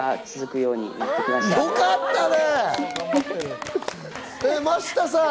よかったね。